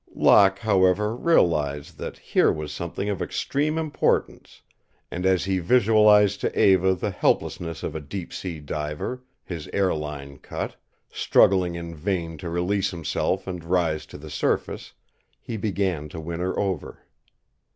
Locke, however, realized that here was something of extreme importance, and as he visualized to Eva the helplessness of a deep sea diver, his air line cut, struggling in vain to release himself and rise to the surface, he began to win her over.